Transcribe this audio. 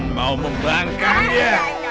mau membangkang ya